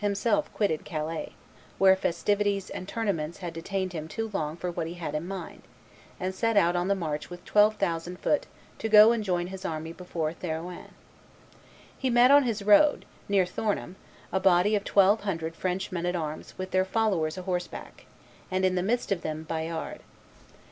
himself quitted Calais, where festivities and tournaments had detained him too long for what he had in hand, and set out on the march with twelve thousand foot to go and join his army before Therouanne. He met on his road, near Thournehem, a body of twelve hundred French men at arms with their followers a horseback, and in the midst of them Bayard.